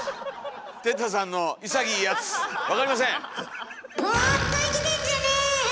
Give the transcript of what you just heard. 哲太さんの潔いやつ「わかりません」。